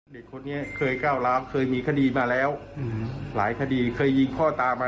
เด็กคนนี้เคยก้าวร้าวเคยมีคดีมาแล้วหลายคดีเคยยิงพ่อตามา